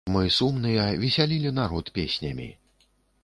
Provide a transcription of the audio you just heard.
Мы, сумныя, весялілі народ песнямі.